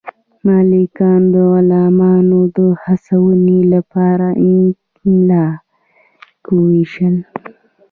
مالکانو د غلامانو د هڅونې لپاره املاک وویشل.